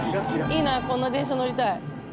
いいなこんな電車乗りたい。